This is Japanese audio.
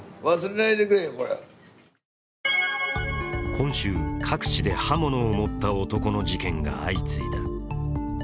今週、各地で刃物を持った男の事件が相次いだ。